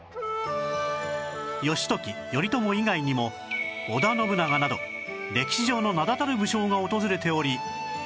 義時頼朝以外にも織田信長など歴史上の名だたる武将が訪れており